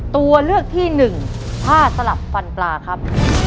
ตัวเลือกที่หนึ่งผ้าสลับฟันปลาครับ